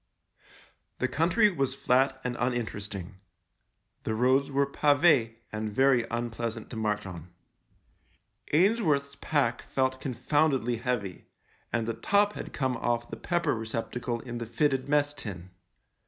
The country was flat and uninteresting. The roads were pave and very unpleasant to march on. Ainsworth's pack felt con foundedly heavy, and the top had come off the pepper receptacle in the fitted mess tin.